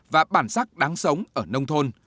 và bản sắc đáng sống ở nông thôn